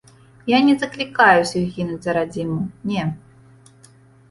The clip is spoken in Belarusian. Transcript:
Я не заклікаю ўсіх гінуць за радзіму, не.